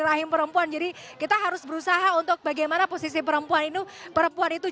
rahim perempuan jadi kita harus berusaha untuk bagaimana posisi perempuan itu perempuan itu